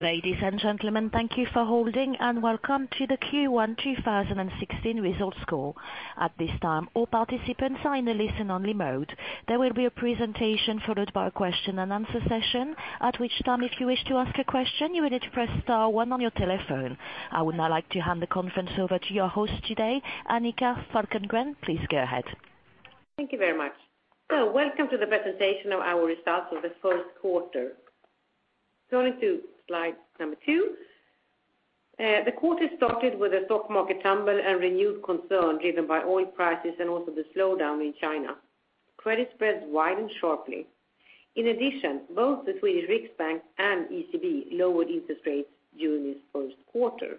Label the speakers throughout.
Speaker 1: Ladies and gentlemen, thank you for holding and welcome to the Q1 2016 results call. At this time, all participants are in a listen-only mode. There will be a presentation followed by a question and answer session, at which time, if you wish to ask a question, you will need to press star one on your telephone. I would now like to hand the conference over to your host today, Annika Falkengren. Please go ahead.
Speaker 2: Thank you very much. Welcome to the presentation of our results for the first quarter. Going to slide number two. The quarter started with a stock market tumble and renewed concern driven by oil prices and also the slowdown in China. Credit spreads widened sharply. In addition, both the Swedish Riksbank and ECB lowered interest rates during this first quarter.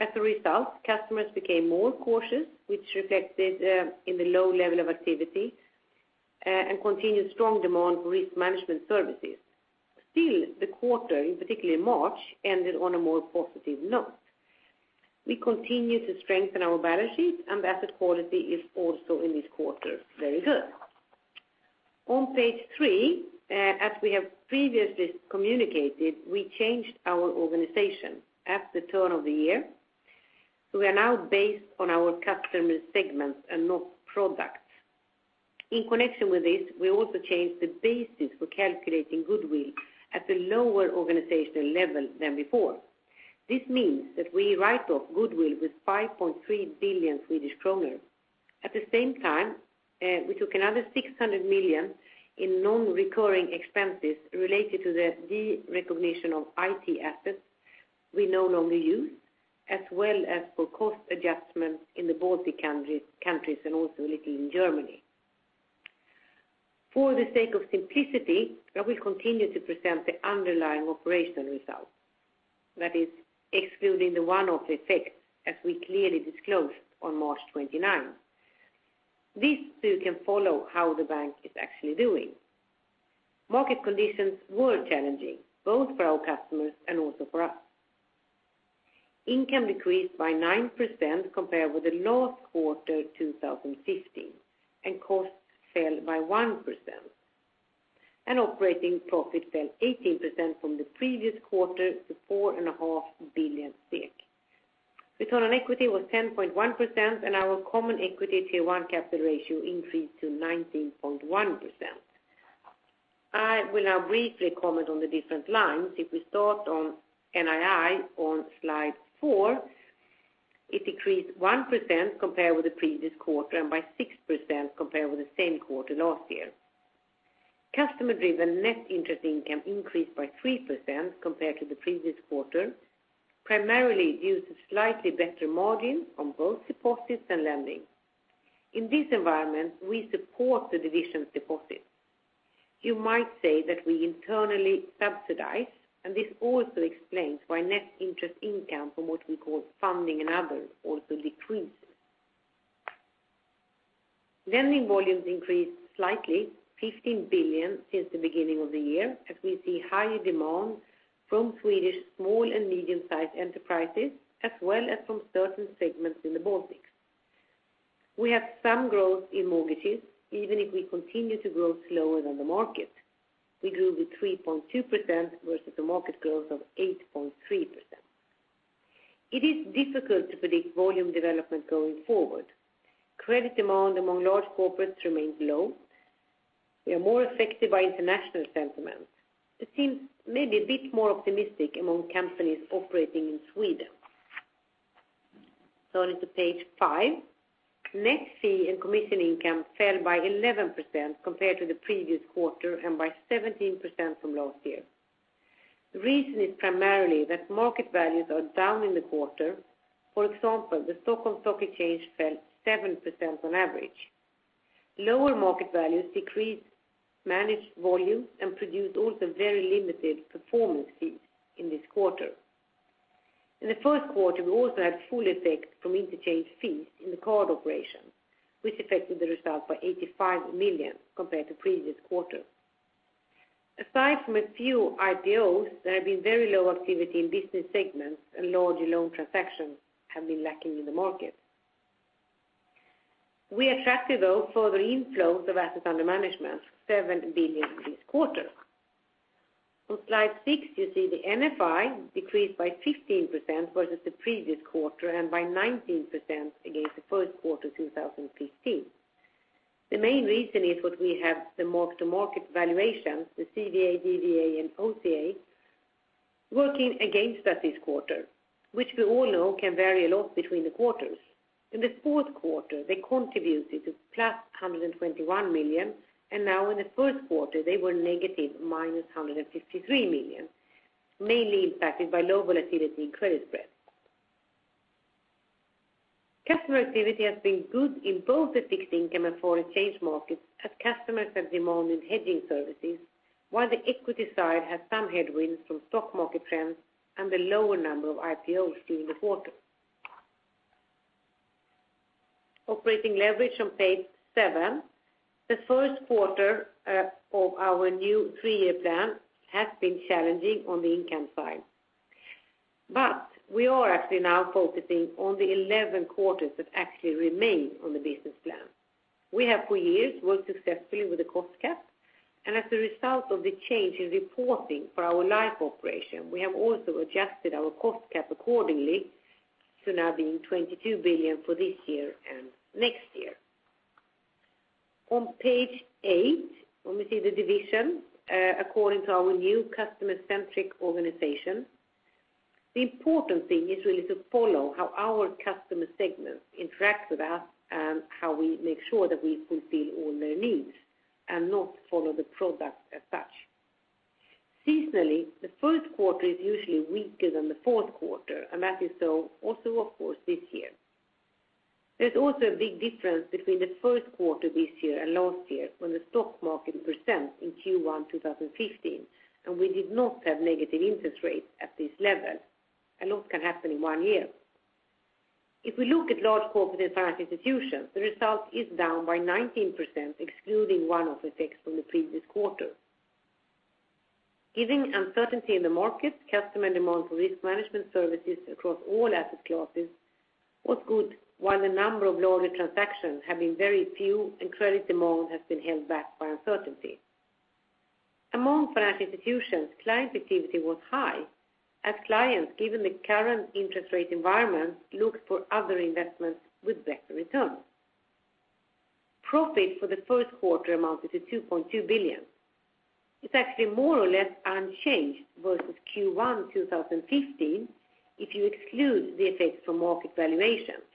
Speaker 2: As a result, customers became more cautious, which reflected in the low level of activity and continued strong demand for risk management services. Still, the quarter, particularly March, ended on a more positive note. We continue to strengthen our balance sheet. Asset quality is also in this quarter very good. On page three, as we have previously communicated, we changed our organization at the turn of the year. We are now based on our customer segments and not products. In connection with this, we also changed the basis for calculating goodwill at a lower organizational level than before. This means that we write off goodwill with 5.3 billion Swedish kronor. At the same time, we took another 600 million in non-recurring expenses related to the de-recognition of IT assets we no longer use, as well as for cost adjustments in the Baltic countries and also a little in Germany. For the sake of simplicity, I will continue to present the underlying operational results. That is excluding the one-off effects, as we clearly disclosed on March 29th. This so you can follow how the bank is actually doing. Market conditions were challenging both for our customers and also for us. Income decreased by 9% compared with the last quarter 2015. Costs fell by 1%. Operating profit fell 18% from the previous quarter to 4.5 billion. Return on equity was 10.1%. Our common equity Tier 1 capital ratio increased to 19.1%. I will now briefly comment on the different lines. If we start on NII on slide four, it decreased 1% compared with the previous quarter and by 6% compared with the same quarter last year. Customer-driven net interest income increased by 3% compared to the previous quarter, primarily due to slightly better margins on both deposits and lending. In this environment, we support the division's deposits. You might say that we internally subsidize. This also explains why net interest income from what we call funding and others also decreases. Lending volumes increased slightly, 15 billion since the beginning of the year, as we see higher demand from Swedish small and medium-sized enterprises, as well as from certain segments in the Baltics. We have some growth in mortgages, even if we continue to grow slower than the market. We grew with 3.2% versus the market growth of 8.3%. It is difficult to predict volume development going forward. Credit demand among large corporates remains low. We are more affected by international sentiment. It seems maybe a bit more optimistic among companies operating in Sweden. Going to page five. Net fee and commission income fell by 11% compared to the previous quarter and by 17% from last year. The reason is primarily that market values are down in the quarter. For example, the Stockholm Stock Exchange fell 7% on average. Lower market values decreased managed volume and produced also very limited performance fees in this quarter. In the first quarter, we also had full effect from interchange fees in the card operation, which affected the result by 85 million compared to previous quarters. Aside from a few IPOs, there have been very low activity in business segments, and larger loan transactions have been lacking in the market. We attracted, though, further inflows of assets under management, 7 billion this quarter. On slide six, you see the NFI decreased by 15% versus the previous quarter and by 19% against the first quarter 2015. The main reason is what we have the mark-to-market valuations, the CVA, DVA, and OCA, working against us this quarter which we all know can vary a lot between the quarters. In the fourth quarter, they contributed to plus 121 million, and now in the first quarter, they were negative, minus 153 million, mainly impacted by low volatility credit spreads. Customer activity has been good in both the fixed income and foreign exchange markets as customers have demanded hedging services, while the equity side has some headwinds from stock market trends and the lower number of IPOs seen in the quarter. Operating leverage on page seven. The first quarter of our new three-year plan has been challenging on the income side. We are actually now focusing on the 11 quarters that actually remain on the business plan. We have for years worked successfully with the cost cap, and as a result of the change in reporting for our live operation, we have also adjusted our cost cap accordingly to now being 22 billion for this year and next year. On page eight, when we see the division according to our new customer-centric organization, the important thing is really to follow how our customer segments interact with us and how we make sure that we fulfill all their needs and not follow the product as such. Seasonally, the first quarter is usually weaker than the fourth quarter, and that is so also of course this year. There's also a big difference between the first quarter this year and last year when the stock market percent in Q1 2015, and we did not have negative interest rates at this level. A lot can happen in one year. If we look at large corporate and finance institutions, the result is down by 19%, excluding one-off effects from the previous quarter. Given uncertainty in the market, customer demand for risk management services across all asset classes was good while the number of larger transactions have been very few and credit demand has been held back by uncertainty. Among finance institutions, client activity was high as clients, given the current interest rate environment, looked for other investments with better returns. Profit for the first quarter amounted to 2.2 billion. It's actually more or less unchanged versus Q1 2015 if you exclude the effects from market valuations,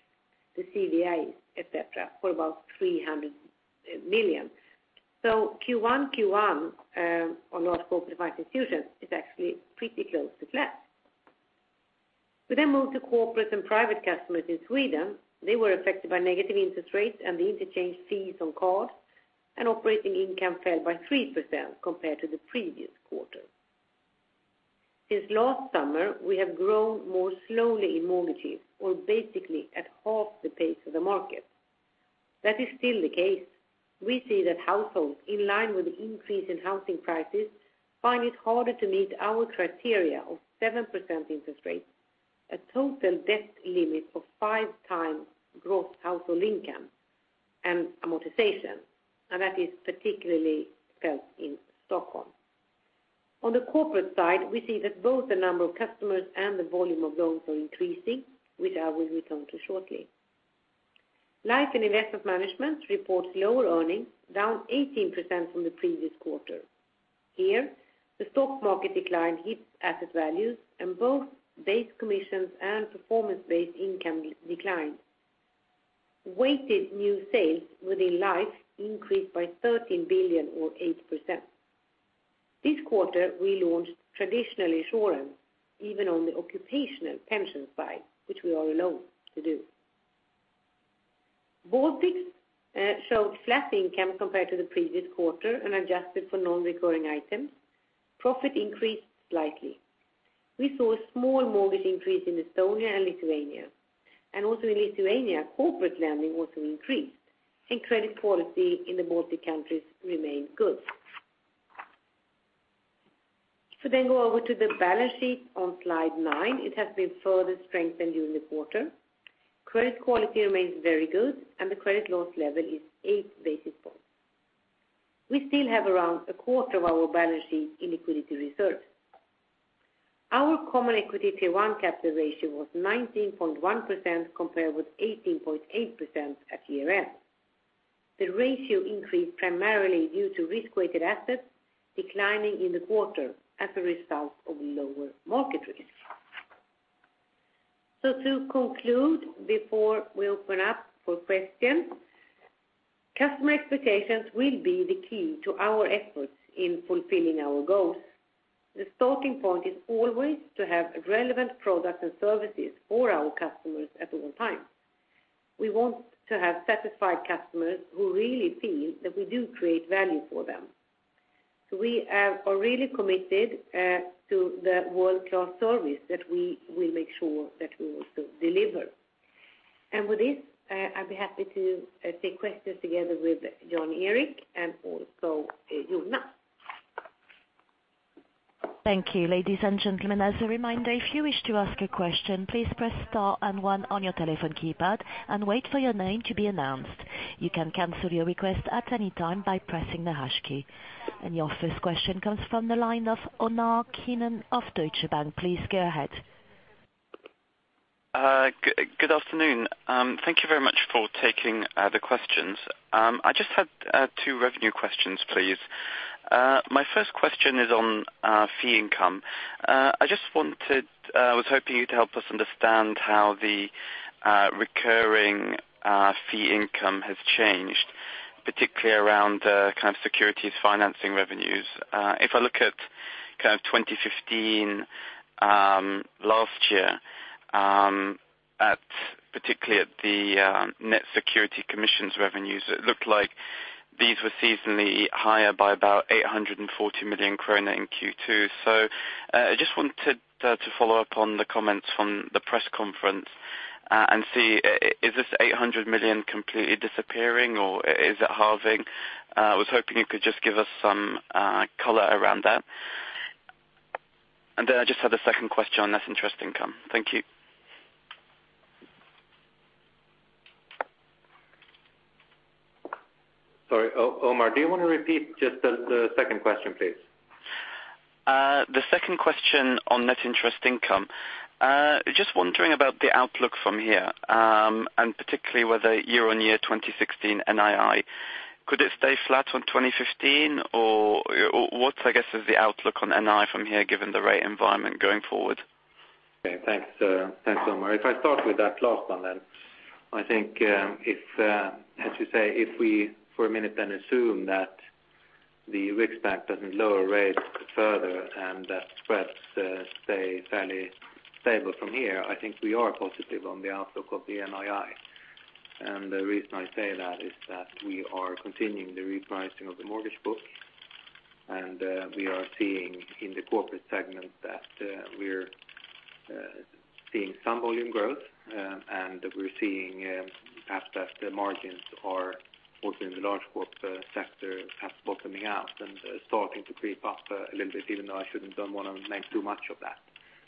Speaker 2: the CVAs, et cetera, for about 300 million. Q1 on large corporate and institutions is actually pretty close to flat. We move to corporate and private customers in Sweden. They were affected by negative interest rates and the interchange fees on cards, and operating income fell by 3% compared to the previous quarter. Since last summer, we have grown more slowly in mortgages or basically at half the pace of the market. That is still the case. We see that households, in line with the increase in housing prices, find it harder to meet our criteria of 7% interest rates, a total debt limit of five times gross household income, and amortization, and that is particularly felt in Stockholm. On the corporate side, we see that both the number of customers and the volume of loans are increasing, which I will return to shortly. Life and investment management reports lower earnings, down 18% from the previous quarter. Here, the stock market decline hits asset values and both base commissions and performance-based income declined. Weighted new sales within Life increased by 13 billion or 8%. This quarter, we launched traditional insurance even on the occupational pension side, which we are alone to do. Baltics showed flat income compared to the previous quarter and adjusted for non-recurring items. Profit increased slightly. We saw a small mortgage increase in Estonia and Lithuania. Also in Lithuania, corporate lending also increased, and credit quality in the Baltic countries remained good. We then go over to the balance sheet on slide nine. It has been further strengthened during the quarter. Credit quality remains very good, and the credit loss level is eight basis points. We still have around a quarter of our balance sheet in liquidity reserves. Our common equity Tier 1 capital ratio was 19.1% compared with 18.8% at year-end. The ratio increased primarily due to risk-weighted assets declining in the quarter as a result of lower market risk. To conclude before we open up for questions, customer expectations will be the key to our efforts in fulfilling our goals. The starting point is always to have relevant products and services for our customers at all times. We want to have satisfied customers who really feel that we do create value for them. We are really committed to the world-class service that we will make sure that we also deliver. With this, I'll be happy to take questions together with Jan Erik and also Jonas.
Speaker 1: Thank you. Ladies and gentlemen, as a reminder, if you wish to ask a question, please press star and one on your telephone keypad and wait for your name to be announced. You can cancel your request at any time by pressing the hash key. Your first question comes from the line of Omar Keenan of Deutsche Bank. Please go ahead.
Speaker 3: Good afternoon. Thank you very much for taking the questions. I just had two revenue questions, please. My first question is on fee income. I was hoping you'd help us understand how the recurring fee income has changed, particularly around the kind of securities financing revenues. If I look at 2015, last year, particularly at the net security commissions revenues, it looked like these were seasonally higher by about 840 million krona in Q2. I just wanted to follow up on the comments from the press conference and see, is this 800 million completely disappearing or is it halving? I was hoping you could just give us some color around that. I just had a second question on net interest income. Thank you.
Speaker 4: Sorry, Omar, do you want to repeat just the second question, please?
Speaker 3: The second question on net interest income. Just wondering about the outlook from here, and particularly whether year-on-year 2016 NII. Could it stay flat on 2015, or what, I guess, is the outlook on NI from here given the rate environment going forward?
Speaker 4: Thanks, Omar. If I start with that last one. I think if, as you say, if we for a minute assume that the Riksbank doesn't lower rates further and that spreads stay fairly stable from here, I think we are positive on the outlook of the NII. The reason I say that is that we are continuing the repricing of the mortgage book, and we are seeing in the corporate segment that we're seeing some volume growth, and we're seeing perhaps that the margins are also in the large corporate sector, perhaps bottoming out and starting to creep up a little bit, even though I don't want to make too much of that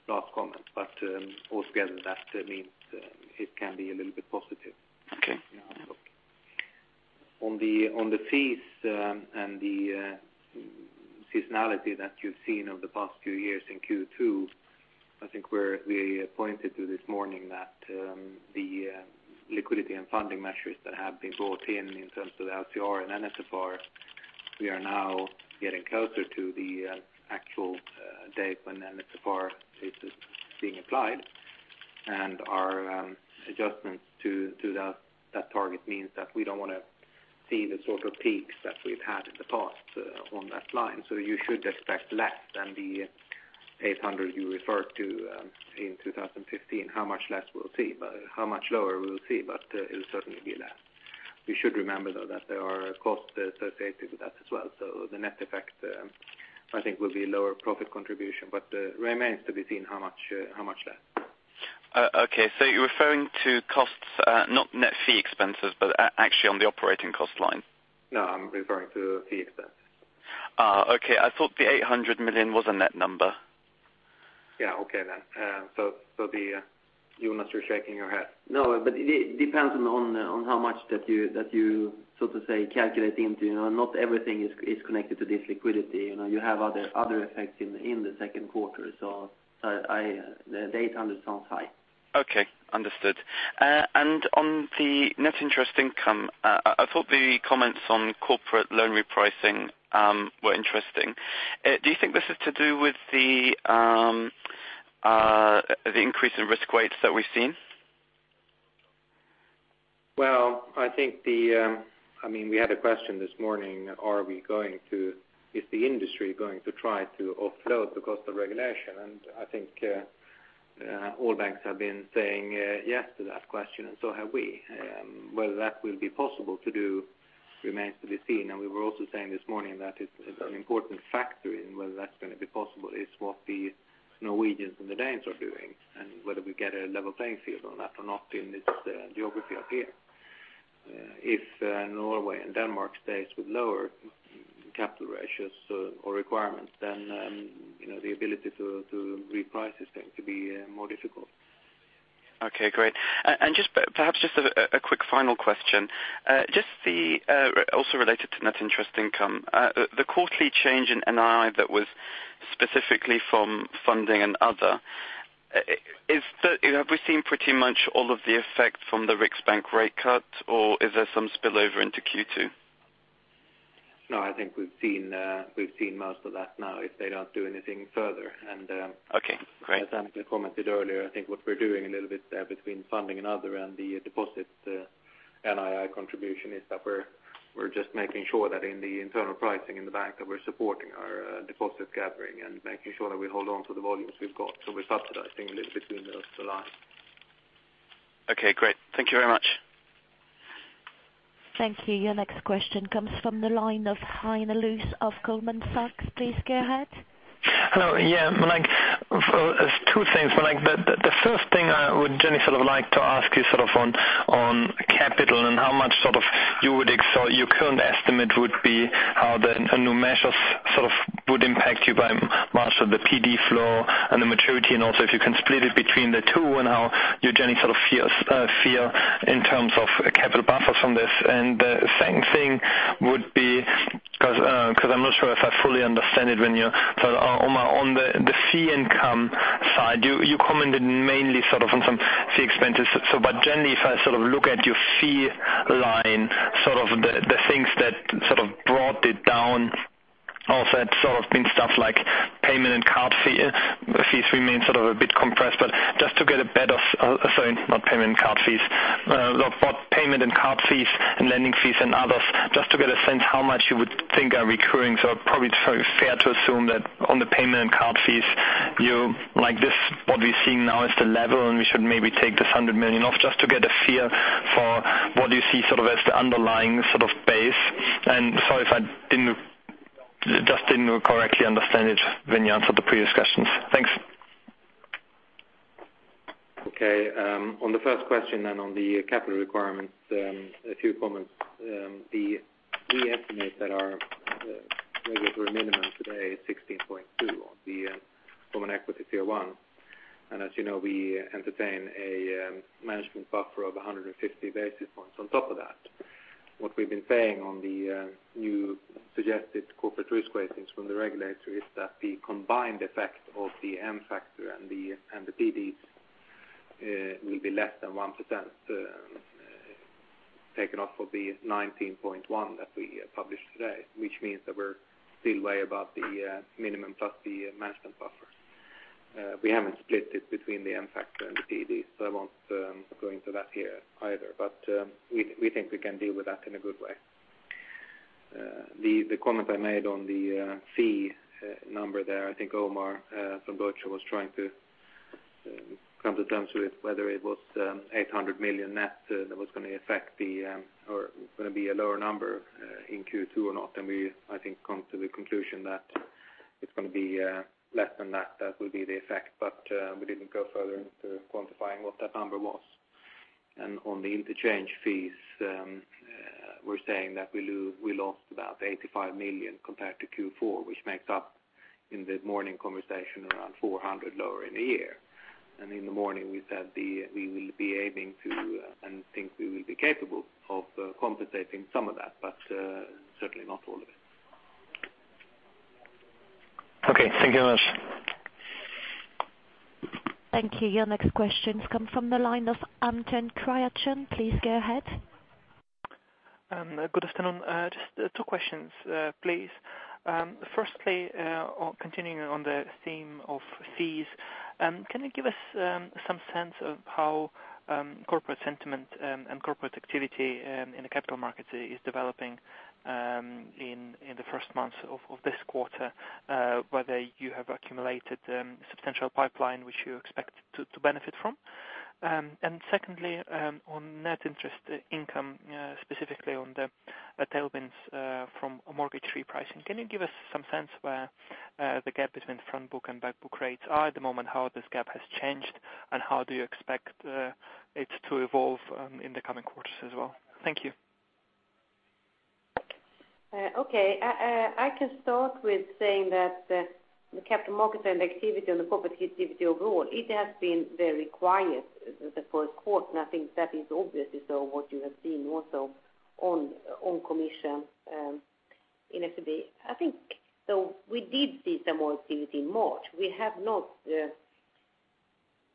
Speaker 4: last comment. Altogether, that means it can be a little bit positive.
Speaker 3: Okay.
Speaker 4: On the fees and the seasonality that you've seen over the past few years in Q2, I think we pointed to this morning that the liquidity and funding measures that have been brought in terms of the LCR and NSFR, we are now getting closer to the actual date when NSFR is being applied. Our adjustments to that target means that we don't want to see the sort of peaks that we've had in the past on that line. You should expect less than the 800 you referred to in 2015. How much less we'll see? How much lower we'll see. It'll certainly be less. You should remember, though, that there are costs associated with that as well. The net effect, I think, will be lower profit contribution, but remains to be seen how much less.
Speaker 3: Okay. You're referring to costs, not net fee expenses, but actually on the operating cost line?
Speaker 4: No, I'm referring to fee expenses.
Speaker 3: Okay. I thought the 800 million was a net number.
Speaker 4: Yeah. Okay, then. Jonas, you're shaking your head.
Speaker 5: No, but it depends on how much that you sort of say calculate into. Not everything is connected to this liquidity. You have other effects in the second quarter. The SEK 800 sounds high.
Speaker 3: Okay. Understood. On the net interest income, I thought the comments on corporate loan repricing were interesting. Do you think this is to do with the increase in risk weights that we've seen?
Speaker 4: Well, we had a question this morning, is the industry going to try to offload the cost of regulation? I think all banks have been saying yes to that question, and so have we. Whether that will be possible to do remains to be seen, and we were also saying this morning that it's an important factor in whether that's going to be possible is what the Norwegians and the Danes are doing, and whether we get a level playing field on that or not in this geography up here. If Norway and Denmark stays with lower capital ratios or requirements, then the ability to reprice is going to be more difficult.
Speaker 3: Okay, great. Perhaps just a quick final question. Also related to net interest income. The quarterly change in NII that was specifically from funding and other, have we seen pretty much all of the effect from the Riksbank rate cut, or is there some spillover into Q2?
Speaker 4: No, I think we've seen most of that now if they don't do anything further.
Speaker 3: Okay, great.
Speaker 4: As Annika commented earlier, I think what we're doing a little bit there between funding and other and the deposits NII contribution is that we're just making sure that in the internal pricing in the bank, that we're supporting our deposit gathering and making sure that we hold on to the volumes we've got. We're subsidizing a little bit between those two lines.
Speaker 3: Okay, great. Thank you very much.
Speaker 1: Thank you. Your next question comes from the line of Heino Loos of Goldman Sachs. Please go ahead.
Speaker 6: Hello. Yeah, two things. The first thing I would generally like to ask you on capital and how much your current estimate would be, how the new measures would impact you by March of the PD floor and the maturity, and also if you can split it between the two and how you generally feel in terms of capital buffers from this. The second thing would be, because I'm not sure if I fully understand it when you. Omar, on the fee income side, you commented mainly on some fee expenses. Generally, if I look at your fee line, the things that brought it down, stuff like payment and card fees remain a bit compressed. Just to get a better Sorry, not payment and card fees. Payment and card fees and lending fees and others, just to get a sense how much you would think are recurring. Probably it's fair to assume that on the payment and card fees, what we're seeing now is the level, and we should maybe take this 100 million off just to get a feel for what you see sort of as the underlying sort of base. Sorry if I didn't when you answered the previous questions. Thanks.
Speaker 4: Okay. On the first question on the capital requirements, a few comments. We estimate that our regulatory minimum today is 16.2% on the common equity Tier 1. As you know, we entertain a management buffer of 150 basis points on top of that. What we've been saying on the new suggested corporate risk weightings from the regulator is that the combined effect of the M factor and the PD will be less than 1% taken off of the 19.1% that we published today, which means that we're still way above the minimum plus the management buffer. We haven't split it between the M factor and the PD, so I won't go into that here either. We think we can deal with that in a good way. The comment I made on the fee number there, I think Omar from Deutsche was trying to come to terms with whether it was 800 million net that was going to be a lower number in Q2 or not, and we, I think, come to the conclusion that it's going to be less than that. That will be the effect. We didn't go further into quantifying what that number was. On the interchange fees, we're saying that we lost about 85 million compared to Q4, which makes up in the morning conversation around 400 million lower in a year. In the morning we said we will be aiming to and think we will be capable of compensating some of that, but certainly not all of it.
Speaker 6: Okay. Thank you very much.
Speaker 1: Thank you. Your next questions come from the line of Anton Kriachin. Please go ahead.
Speaker 7: Good afternoon. Just two questions, please. Firstly, continuing on the theme of fees, can you give us some sense of how corporate sentiment and corporate activity in the capital markets is developing in the first months of this quarter, whether you have accumulated substantial pipeline which you expect to benefit from? Secondly, on net interest income, specifically on the tailwinds from mortgage repricing, can you give us some sense where the gap between front book and back book rates are at the moment, how this gap has changed, and how do you expect it to evolve in the coming quarters as well? Thank you.
Speaker 2: Okay. I can start with saying that the capital markets and the activity on the corporate activity overall, it has been very quiet the first quarter, and I think that is obviously what you have seen also on commission in SEB. We did see some more activity in March. We have not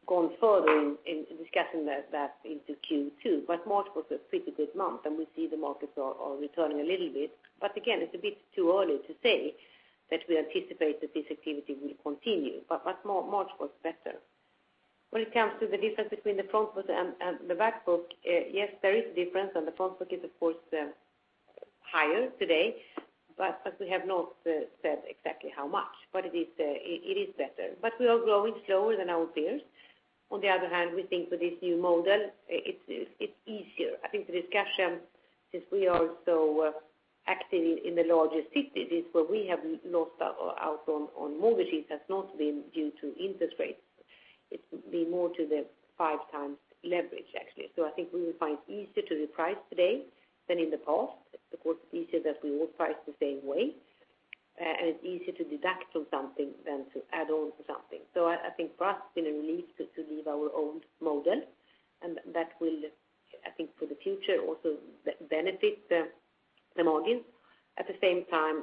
Speaker 2: gone further in discussing that into Q2, but March was a pretty good month, and we see the markets are returning a little bit. Again, it's a bit too early to say that we anticipate that this activity will continue. March was better. When it comes to the difference between the front book and the back book, yes, there is a difference, and the front book is of course higher today. We have not said exactly how much, but it is better. We are growing slower than our peers. On the other hand, we think with this new model, it's easier. I think the discussion, since we are so active in the larger cities where we have lost out on mortgages has not been due to interest rates. It's been more to the five times leverage, actually. We will find it easier to reprice today than in the past. It's of course easier that we all price the same way, and it's easier to deduct from something than to add on to something. For us it's been a relief to leave our old model, and that will, for the future also benefit the margin. At the same time,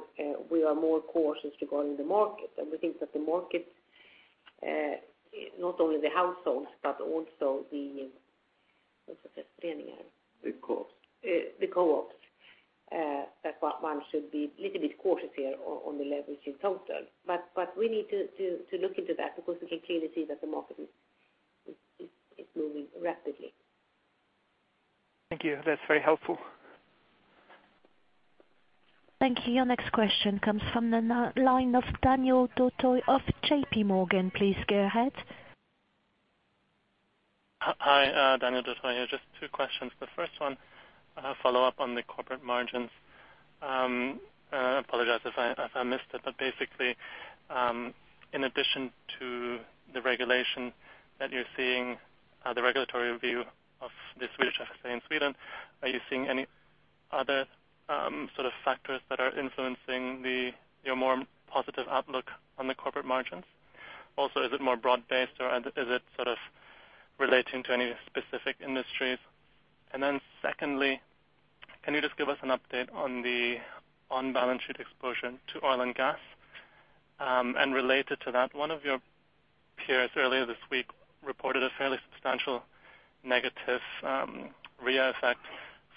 Speaker 2: we are more cautious regarding the market, we think that the market, not only the households, but also the co-ops, that one should be a little bit cautious here on the leverage in total. We need to look into that because we can clearly see that the market is moving rapidly.
Speaker 7: Thank you. That's very helpful.
Speaker 1: Thank you. Your next question comes from the line of Daniel Dotoy of JP Morgan. Please go ahead.
Speaker 8: Hi, Daniel Dotoy here. Just two questions. The first one, a follow-up on the corporate margins. I apologize if I missed it, but basically, in addition to the regulation that you're seeing, the regulatory review of the Swedish FSA in Sweden, are you seeing any other factors that are influencing your more positive outlook on the corporate margins? Also, is it more broad-based, or is it relating to any specific industries? Then secondly, can you just give us an update on the on-balance sheet exposure to oil and gas? Related to that, one of your peers earlier this week reported a fairly substantial negative RWA effect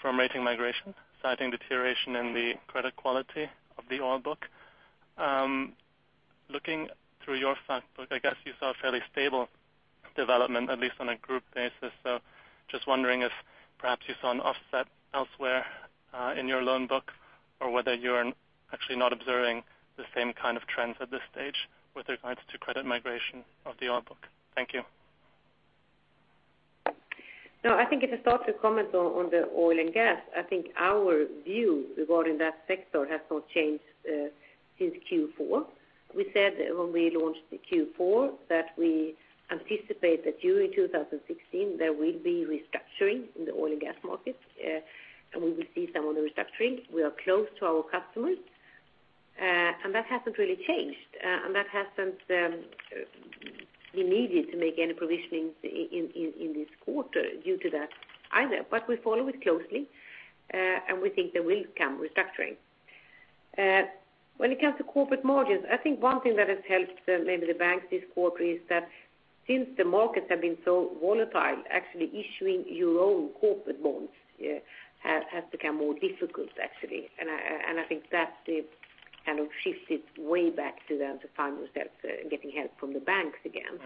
Speaker 8: from rating migration, citing deterioration in the credit quality of the oil book. Looking through your fact book, I guess you saw a fairly stable development, at least on a group basis. Just wondering if perhaps you saw an offset elsewhere in your loan book or whether you're actually not observing the same kind of trends at this stage with regards to credit migration of the oil book. Thank you.
Speaker 2: No, I think if I start to comment on the oil and gas, I think our view regarding that sector has not changed since Q4. We said when we launched the Q4 that we anticipate that during 2016 there will be restructuring in the oil and gas market, and we will see some of the restructuring. We are close to our customers, and that hasn't really changed, and that hasn't been needed to make any provisionings in this quarter due to that either. We follow it closely, and we think there will come restructuring. When it comes to corporate margins, I think one thing that has helped maybe the banks this quarter is that since the markets have been so volatile, actually issuing your own corporate bonds has become more difficult, actually. I think that it shifted way back to the financial sector and getting help from the banks again.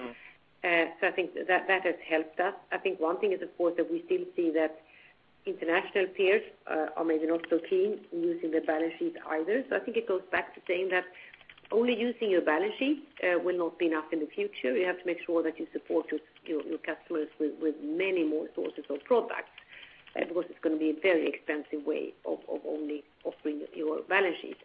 Speaker 2: I think that has helped us. I think one thing is, of course, that we still see that international peers are maybe not so keen using their balance sheets either. I think it goes back to saying that only using your balance sheet will not be enough in the future. You have to make sure that you support your customers with many more sources of products, because it's going to be a very expensive way of only offering your balance sheet.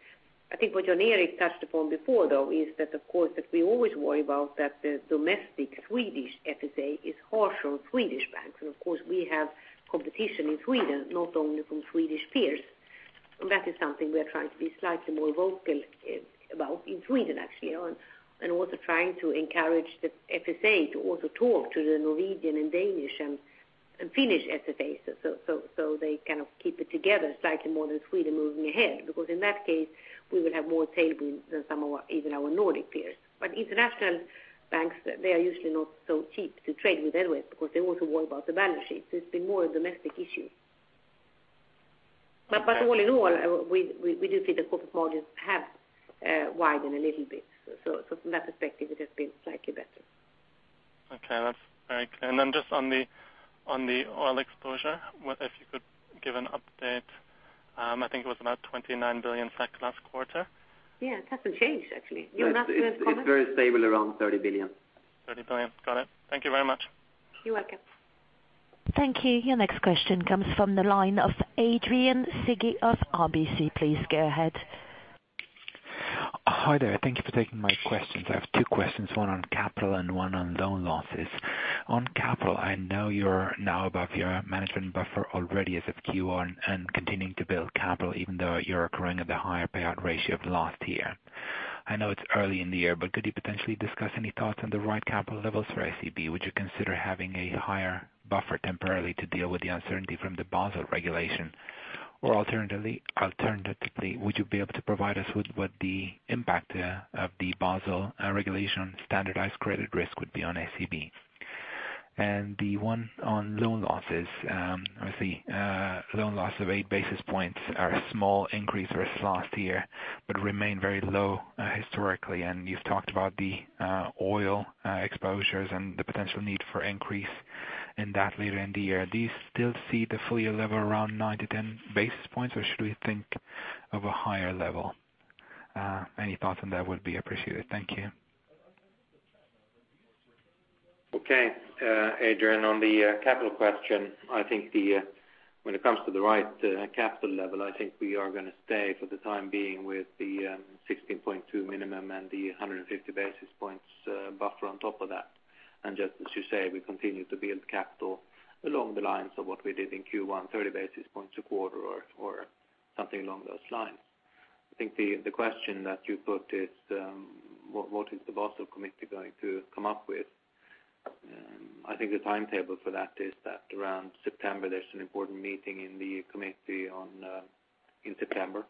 Speaker 2: I think what Jan Erik touched upon before, though, is that, of course, that we always worry about that the domestic Swedish FSA is harsh on Swedish banks. Of course, we have competition in Sweden, not only from Swedish peers. That is something we are trying to be slightly more vocal about in Sweden, actually, and also trying to encourage the FSA to also talk to the Norwegian and Danish and Finnish FSAs so they keep it together slightly more than Sweden moving ahead. Because in that case, we will have more tailwinds than even our Nordic peers. International banks, they are usually not so keen to trade with because they also worry about the balance sheet. It's been more a domestic issue. All in all, we do see the corporate margins have widened a little bit. From that perspective, it has been slightly better.
Speaker 8: Okay, that's very clear. Just on the oil exposure, if you could give an update. I think it was about 29 billion last quarter.
Speaker 2: Yeah, it hasn't changed, actually. You want to comment?
Speaker 4: It's very stable around 30 billion.
Speaker 8: 30 billion. Got it. Thank you very much.
Speaker 2: You're welcome.
Speaker 1: Thank you. Your next question comes from the line of Adrian Cighi of RBC. Please go ahead.
Speaker 9: Hi there. Thank you for taking my questions. I have two questions, one on capital and one on loan losses. On capital, I know you're now above your management buffer already as of Q1 and continuing to build capital even though you're occurring at the higher payout ratio of last year. I know it's early in the year, but could you potentially discuss any thoughts on the right capital levels for SEB? Would you consider having a higher buffer temporarily to deal with the uncertainty from the Basel regulation? Or alternatively, would you be able to provide us with what the impact of the Basel regulation standardized credit risk would be on SEB? The one on loan losses. I see loan loss of eight basis points are a small increase versus last year, but remain very low historically, and you've talked about the oil exposures and the potential need for increase in that later in the year. Do you still see the full year level around 9-10 basis points, or should we think of a higher level? Any thoughts on that would be appreciated. Thank you.
Speaker 4: Okay. Adrian Cighi, on the capital question, I think when it comes to the right capital level, I think we are going to stay for the time being with the 16.2 minimum and the 150 basis points buffer on top of that. Just as you say, we continue to build capital along the lines of what we did in Q1, 30 basis points a quarter or something along those lines. I think the question that you put is what is the Basel Committee going to come up with? I think the timetable for that is that around September, there's an important meeting in the committee in September.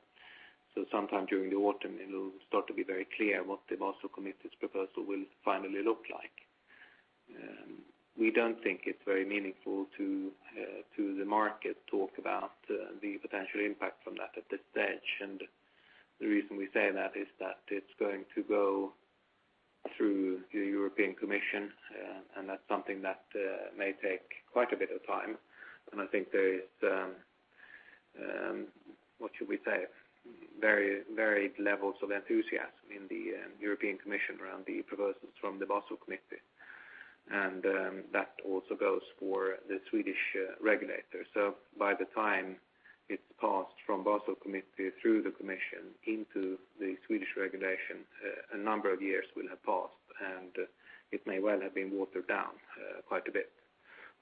Speaker 4: Sometime during the autumn, it'll start to be very clear what the Basel Committee's proposal will finally look like. We don't think it's very meaningful to the market talk about the potential impact from that at this stage. The reason we say that is that it's going to go through the European Commission, and that's something that may take quite a bit of time. I think there is, what should we say? Varied levels of enthusiasm in the European Commission around the proposals from the Basel Committee. That also goes for the Swedish Regulator. By the time it's passed from Basel Committee through the Commission into the Swedish regulation, a number of years will have passed, and it may well have been watered down quite a bit.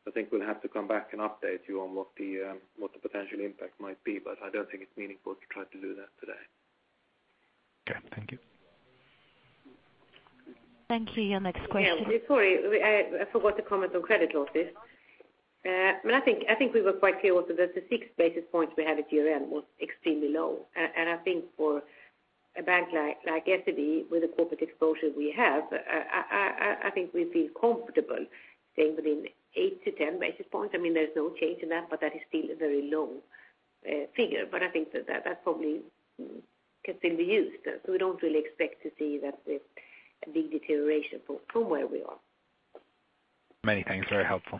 Speaker 4: I think we'll have to come back and update you on what the potential impact might be, but I don't think it's meaningful to try to do that today.
Speaker 9: Okay. Thank you.
Speaker 1: Thank you. Your next question-
Speaker 2: Yeah. Sorry, I forgot to comment on credit losses. I think we were quite clear also that the six basis points we had at year-end was extremely low. I think for a bank like SEB with the corporate exposure we have, I think we feel comfortable staying within eight to 10 basis points. There's no change in that, but that is still a very low figure. I think that probably can still be used. We don't really expect to see that big deterioration from where we are.
Speaker 9: Many thanks, very helpful.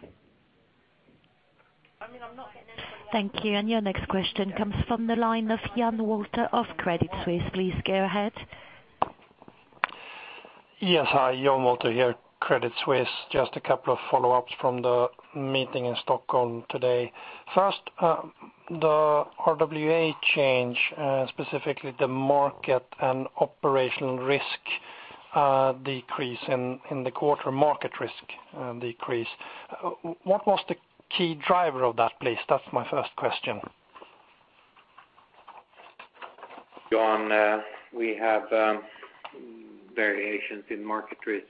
Speaker 1: Thank you. Your next question comes from the line of John Molter of Credit Suisse. Please go ahead.
Speaker 10: Yes. Hi, John Molter here, Credit Suisse. Just a couple of follow-ups from the meeting in Stockholm today. First, the RWA change, specifically the market and operational risk decrease in the quarter market risk decrease. What was the key driver of that, please? That's my first question.
Speaker 5: John, we have variations in market risk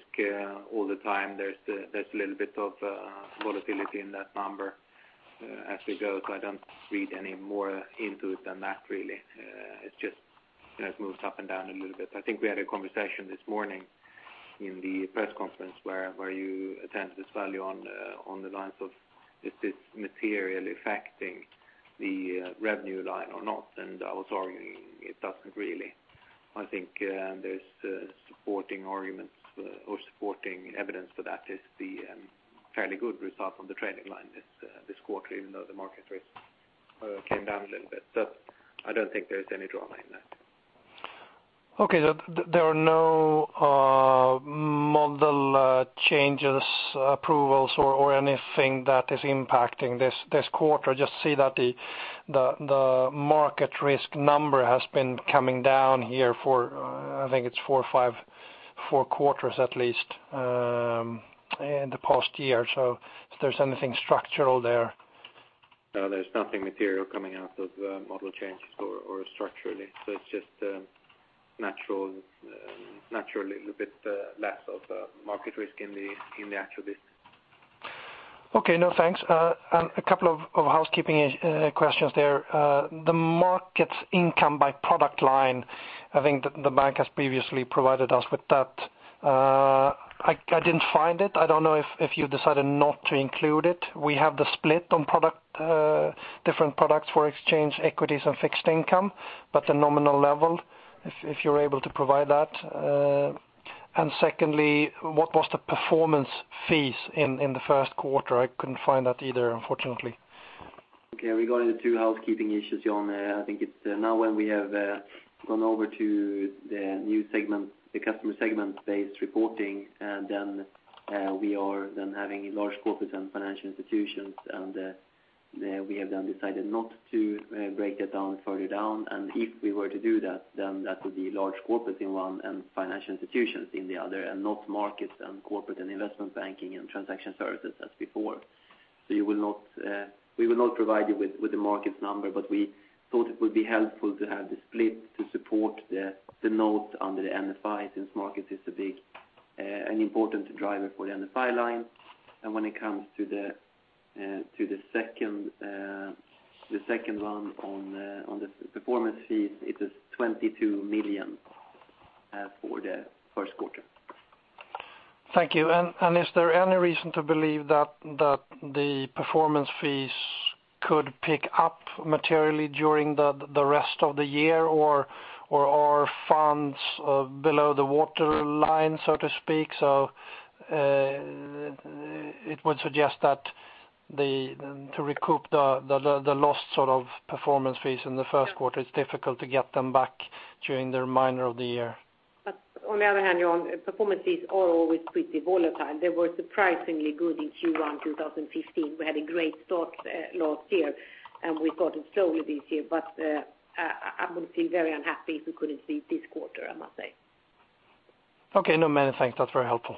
Speaker 5: all the time. There's a little bit of volatility in that number as we go, I don't read any more into it than that really. It just has moved up and down a little bit. I think we had a conversation this morning in the press conference where you attempted to value on the lines of, is this materially affecting the revenue line or not? I was arguing it doesn't really. I think there's supporting arguments or supporting evidence for that is the fairly good result on the trending line this quarter, even though the market risk came down a little bit. I don't think there's any drama in that.
Speaker 10: Okay. There are no model changes, approvals, or anything that is impacting this quarter. Just see that the market risk number has been coming down here for, I think it's four quarters at least in the past year. If there's anything structural there.
Speaker 5: No, there's nothing material coming out of model changes or structurally. It's just naturally a little bit less of a market risk in the attributes.
Speaker 10: Okay, thanks. A couple of housekeeping questions there. The markets income by product line, I think the bank has previously provided us with that. I didn't find it. I don't know if you decided not to include it. We have the split on different products for exchange equities and fixed income, but the nominal level, if you're able to provide that. Secondly, what was the performance fees in the first quarter? I couldn't find that either, unfortunately.
Speaker 5: Okay, regarding the two housekeeping issues, John, I think it's now when we have gone over to the new segment, the customer segment-based reporting, then we are then having large corporates and financial institutions, and we have then decided not to break it down further down. If we were to do that, then that would be large corporates in one and financial institutions in the other and not markets and corporate and investment banking and transaction services as before. We will not provide you with the markets number, but we thought it would be helpful to have the split to support the note under the NFI since markets is an important driver for the NFI line. When it comes to the second one on the performance fees, it is 22 million for the first quarter.
Speaker 10: Thank you. Is there any reason to believe that the performance fees could pick up materially during the rest of the year or are funds below the waterline, so to speak? It would suggest that to recoup the lost performance fees in the first quarter, it's difficult to get them back during the remainder of the year.
Speaker 2: On the other hand, John, performance fees are always pretty volatile. They were surprisingly good in Q1 2015. We had a great start last year, and we've gotten slowly this year, but I'm going to feel very unhappy if we couldn't see it this quarter, I must say.
Speaker 10: Okay, many thanks. That's very helpful.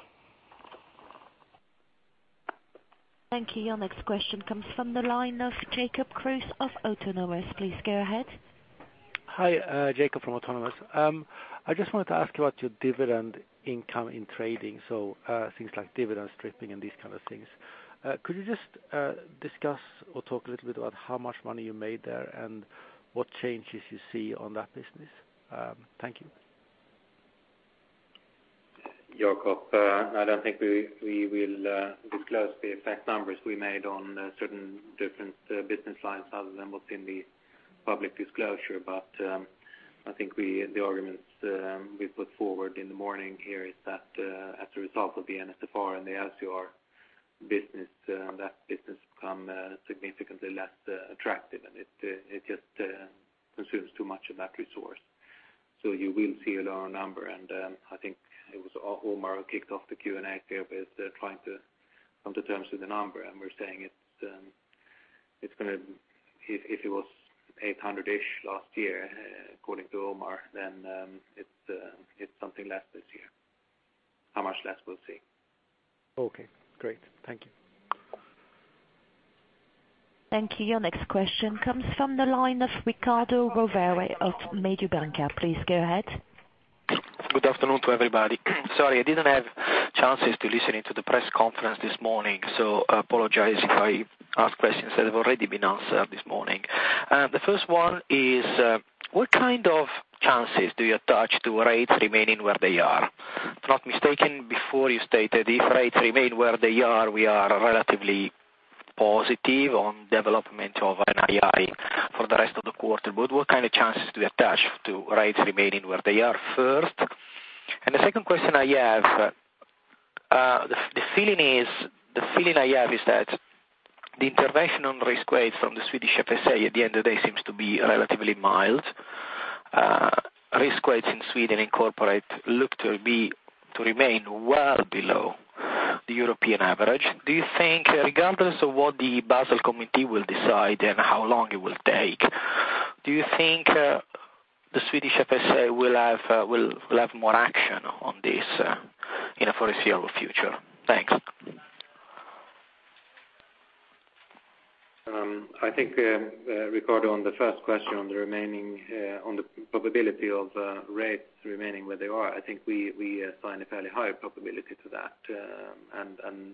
Speaker 1: Thank you. Your next question comes from the line of Jacob Kruse of Autonomous. Please go ahead.
Speaker 11: Hi, Jacob from Autonomous. I just wanted to ask you about your dividend income in trading. Things like dividend stripping and these kinds of things. Could you just discuss or talk a little bit about how much money you made there and what changes you see on that business? Thank you.
Speaker 5: Jacob, I don't think we will disclose the exact numbers we made on certain different business lines other than what's in the public disclosure. I think the arguments we put forward in the morning here is that as a result of the NSFR and the SFTs business, that business become significantly less attractive, and it just consumes too much of that resource. You will see a lower number, and I think it was Omar who kicked off the Q&A there with trying to come to terms with the number, and we're saying if it was 800-ish last year according to Omar, then it's something less this year. How much less we'll see.
Speaker 11: Okay, great. Thank you.
Speaker 1: Thank you. Your next question comes from the line of Riccardo Rovere of Mediobanca. Please go ahead.
Speaker 12: Good afternoon to everybody. Sorry, I didn't have chances to listen in to the press conference this morning, so apologize if I ask questions that have already been answered this morning. The first one is, what kind of chances do you attach to rates remaining where they are? If I'm not mistaken, before you stated if rates remain where they are, we are relatively positive on development of NII for the rest of the quarter. What kind of chances do you attach to rates remaining where they are first? The second question I have The feeling I have is that the intervention on risk weight from the Swedish FSA at the end of the day seems to be relatively mild. Risk weights in Sweden incorporate look to remain well below the European average. Regardless of what the Basel Committee will decide and how long it will take, do you think the Swedish FSA will have more action on this in the foreseeable future? Thanks.
Speaker 4: I think, Riccardo, on the first question on the probability of rates remaining where they are, I think we assign a fairly high probability to that.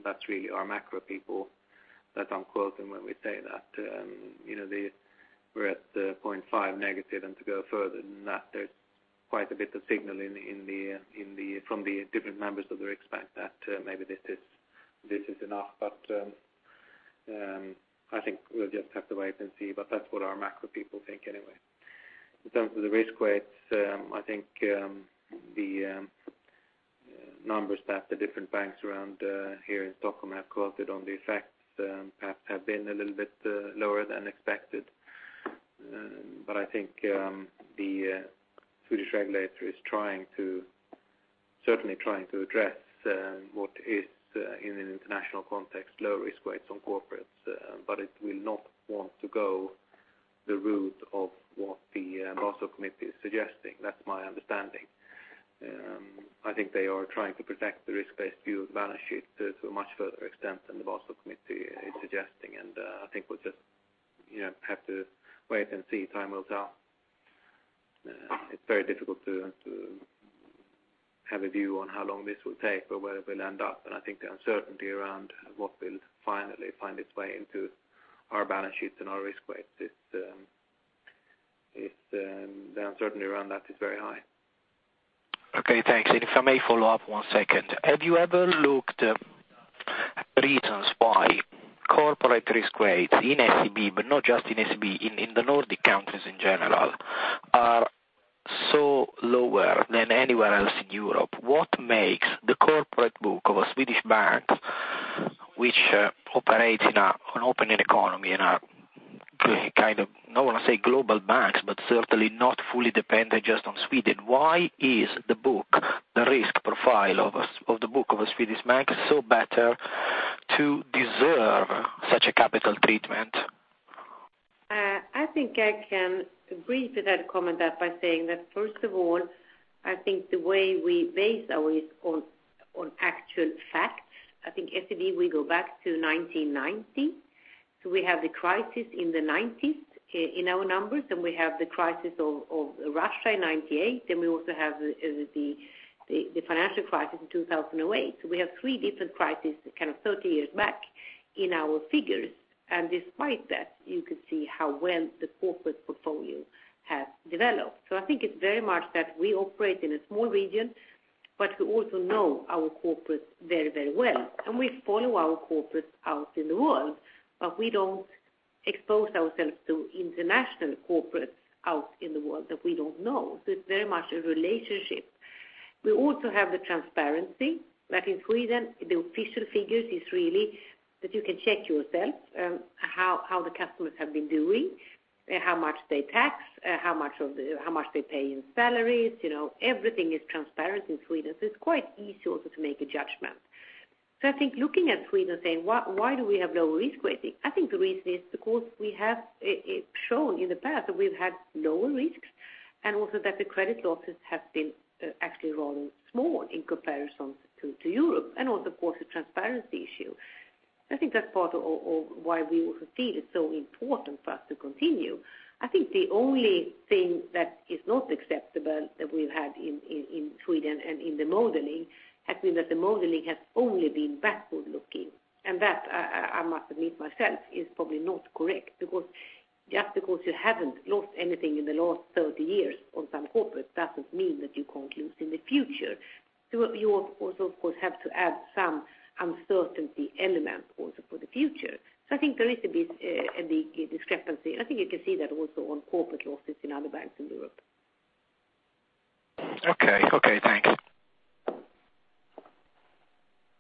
Speaker 4: That's really our macro people that I'm quoting when we say that. We're at the 0.5 negative and to go further than that, there's quite a bit of signal from the different members of the Riksbank that maybe this is enough. I think we'll just have to wait and see, but that's what our macro people think anyway. In terms of the risk weights, I think the numbers that the different banks around here in Stockholm have quoted on the effects perhaps have been a little bit lower than expected. I think the Swedish regulator is certainly trying to address what is, in an international context, low-risk weights on corporates, but it will not want to go the route of what the Basel Committee is suggesting. That's my understanding. I think they are trying to protect the risk-based view of the balance sheet to a much further extent than the Basel Committee is suggesting, and I think we'll just have to wait and see. Time will tell. It's very difficult to have a view on how long this will take or where it will end up, and I think the uncertainty around what will finally find its way into our balance sheets and our risk weights, the uncertainty around that is very high.
Speaker 12: Okay, thanks. If I may follow up one second. Have you ever looked at reasons why corporate risk weights in SEB, but not just in SEB, in the Nordic countries in general, are so lower than anywhere else in Europe? What makes the corporate book of a Swedish bank, which operates in an open economy in a, I don't want to say global banks, but certainly not fully dependent just on Sweden. Why is the risk profile of the book of a Swedish bank so better to deserve such a capital treatment?
Speaker 2: I think I can agree to that comment by saying that, first of all, I think the way we base our risk on actual facts. I think SEB, we go back to 1990. We have the crisis in the '90s in our numbers, and we have the crisis of Russia in 1998, then we also have the financial crisis in 2008. We have three different crises, 30 years back in our figures. Despite that, you can see how well the corporate portfolio has developed. I think it's very much that we operate in a small region, but we also know our corporates very well. We follow our corporates out in the world, but we don't expose ourselves to international corporates out in the world that we don't know. It's very much a relationship. We also have the transparency, that in Sweden, the official figures is really that you can check yourself how the customers have been doing, how much they tax, how much they pay in salaries. Everything is transparent in Sweden, it's quite easy also to make a judgment. I think looking at Sweden saying, why do we have lower risk weighting? I think the reason is because we have shown in the past that we've had lower risks, also that the credit losses have been actually rather small in comparison to Europe, and also, of course, the transparency issue. I think that's part of why we also feel it's so important for us to continue. I think the only thing that is not acceptable that we've had in Sweden and in the modeling has been that the modeling has only been backward-looking. That, I must admit myself, is probably not correct because just because you haven't lost anything in the last 30 years on some corporate doesn't mean that you can't lose in the future. You also, of course, have to add some uncertainty element also for the future. I think there is a big discrepancy, and I think you can see that also on corporate losses in other banks in Europe.
Speaker 12: Okay, thanks.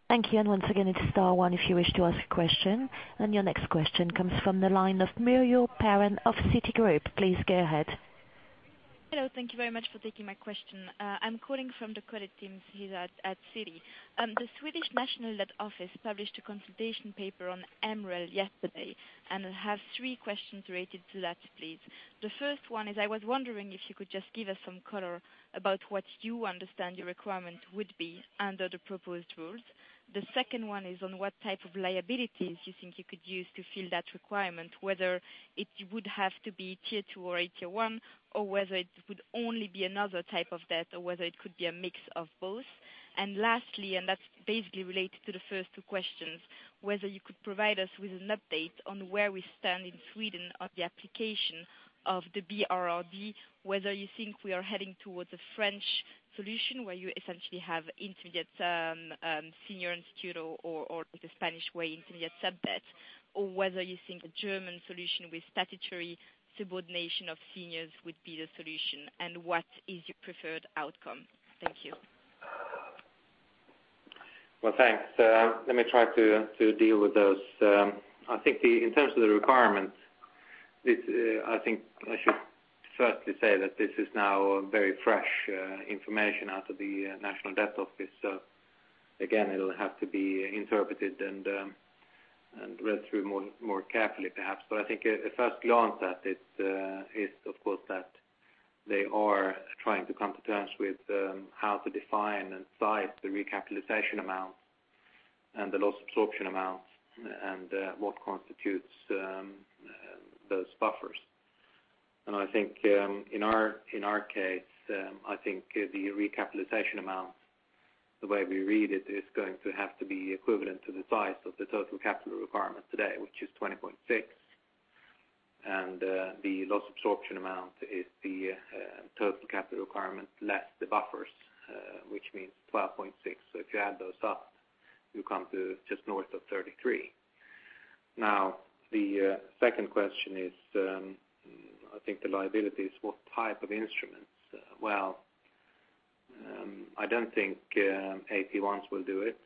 Speaker 1: Thank you. Once again, it's star one if you wish to ask a question. Your next question comes from the line of Muriel Parein of Citigroup. Please go ahead.
Speaker 13: Hello. Thank you very much for taking my question. I'm calling from the credit team here at Citi. The Swedish National Debt Office published a consultation paper on MREL yesterday, and I have 3 questions related to that, please. First one is, I was wondering if you could just give us some color about what you understand your requirement would be under the proposed rules. Second one is on what type of liabilities you think you could use to fill that requirement, whether it would have to be tier 2 or a tier 1, or whether it would only be another type of debt, or whether it could be a mix of both. Lastly, that's basically related to the first two questions, whether you could provide us with an update on where we stand in Sweden on the application of the BRRD, whether you think we are heading towards a French solution where you essentially have intermediate senior instruments or the Spanish way, intermediate sub-debt, or whether you think a German solution with statutory subordination of seniors would be the solution. What is your preferred outcome? Thank you.
Speaker 4: Well, thanks. Let me try to deal with those. I think in terms of the requirements, I should firstly say that this is now very fresh information out of the National Debt Office. Again, it'll have to be interpreted and read through more carefully perhaps. I think a first glance at it is, of course, that they are trying to come to terms with how to define and size the recapitalization amount and the loss absorption amount and what constitutes those buffers. I think, in our case, the recapitalization amount, the way we read it, is going to have to be equivalent to the size of the total capital requirement today, which is 20.6%. The loss absorption amount is the total capital requirement less the buffers, which means 12.6%. If you add those up, you come to just north of 33%. The second question is, I think the liability is what type of instruments? Well, I don't think AT1s will do it.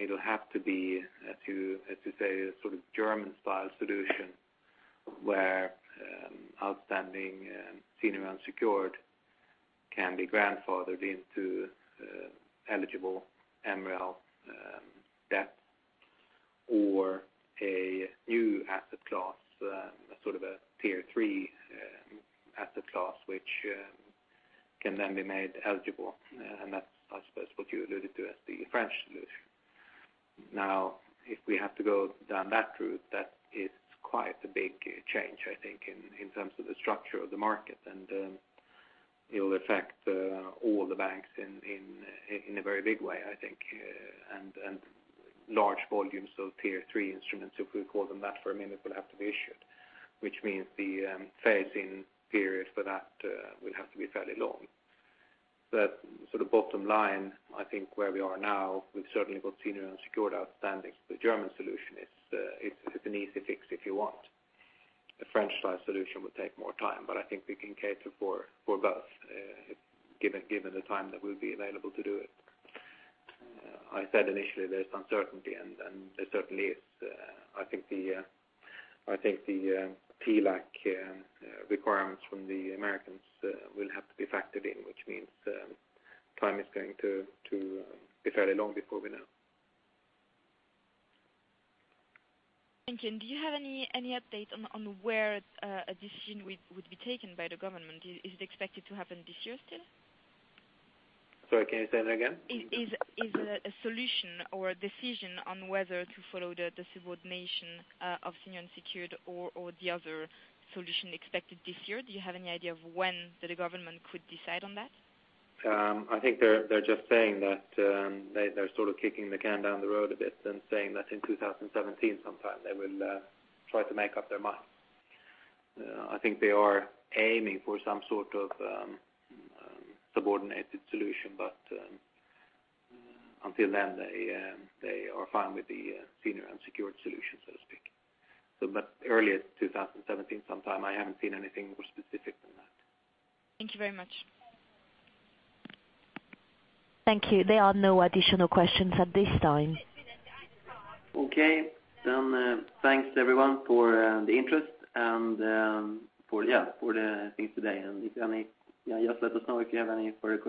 Speaker 4: It'll have to be, as you say, a sort of German-style solution where outstanding senior unsecured can be grandfathered into eligible MREL debt or a new asset class, a sort of a Level 3 asset class, which can then be made eligible. That's, I suppose, what you alluded to as the French solution. If we have to go down that route, that is quite a big change, I think, in terms of the structure of the market, it will affect all the banks in a very big way, I think. Large volumes of Level 3 instruments, if we call them that for a minute, will have to be issued, which means the phase-in period for that will have to be fairly long. Bottom line, I think where we are now, we've certainly got senior unsecured outstanding. The German solution is an easy fix if you want. The French-style solution would take more time, but I think we can cater for both, given the time that will be available to do it. I said initially there's uncertainty, there certainly is. I think the TLAC requirements from the Americans will have to be factored in, which means time is going to be fairly long before we know.
Speaker 13: Thank you. Do you have any update on where a decision would be taken by the government? Is it expected to happen this year still?
Speaker 4: Sorry, can you say that again?
Speaker 13: Is a solution or a decision on whether to follow the subordination of senior unsecured or the other solution expected this year? Do you have any idea of when the government could decide on that?
Speaker 4: I think they're just saying that they're sort of kicking the can down the road a bit and saying that in 2017 sometime, they will try to make up their minds. I think they are aiming for some sort of subordinated solution, until then they are fine with the senior unsecured solution, so to speak. Earliest 2017 sometime. I haven't seen anything more specific than that.
Speaker 13: Thank you very much.
Speaker 1: Thank you. There are no additional questions at this time.
Speaker 4: Okay. Thanks everyone for the interest and for the things today. If you have any, just let us know if you have any further questions.